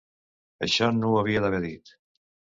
Això no ho havia d’haver dit.